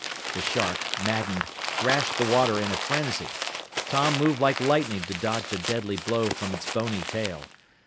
The shark, maddened, thrashed the water in a frenzy. Tom moved like lightning to dodge a deadly blow from its bony tail.